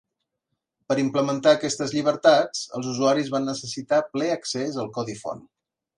Per implementar aquestes llibertats, els usuaris van necessitar ple accés al codi font.